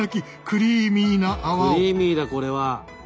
クリーミーだこれは。